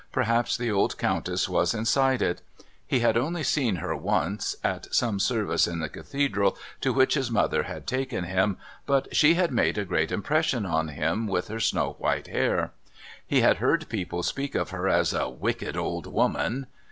Perhaps the old Countess was inside it. He had only seen her once, at some service in the Cathedral to which his mother had taken him, but she had made a great impression on him with her snow white hair. He had heard people speak of her as "a wicked old woman."